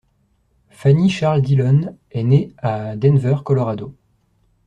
Fannie Charles Dillon est née à Denver, Colorado.